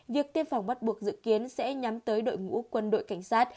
việc tiêm phòng bắt buộc dự kiến sẽ nhắm tới đội ngũ quân đội cảnh sát